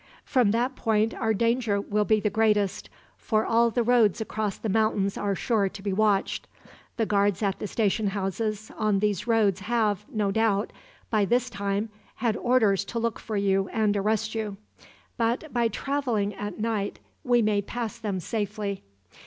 From that point our danger will be the greatest, for all the roads across the mountains are sure to be watched. The guards at the station houses on these roads have, no doubt, by this time had orders to look for you and arrest you; but by traveling at night, we may pass them safely.